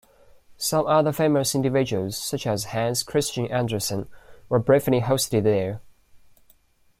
Some other famous individuals such as Hans Christian Andersen were briefly hosted there.